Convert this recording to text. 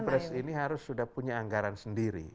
capres ini harus sudah punya anggaran sendiri